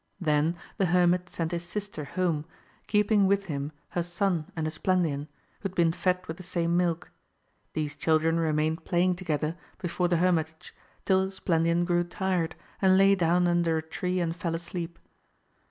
Then the hermit sent his sister home, keeping with him her son and Esplandian, who had been fed with the same milk, these children remained playing together before the hermitage till Esplandian grew tired, and lay down under a tree and fell asleep.